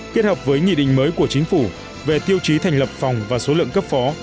kết hợp với nghị định mới của chính phủ về tiêu chí thành lập phòng và số lượng cấp phó